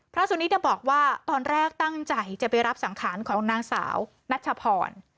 สุนิทบอกว่าตอนแรกตั้งใจจะไปรับสังขารของนางสาวนัชพร